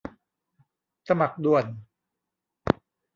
สมัครด่วน